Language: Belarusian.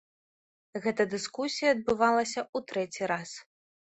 Гэта дыскусія адбывалася ў трэці раз.